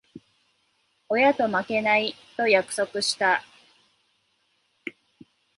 親と負けない、と約束した。